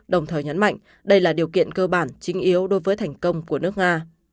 đồng thời nhấn mạnh đây là điều kiện cơ bản chính yếu đối với thành công của nước nga